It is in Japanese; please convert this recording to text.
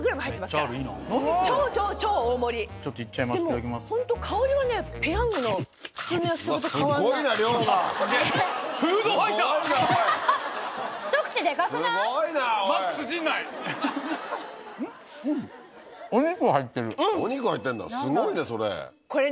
すごいねそれ。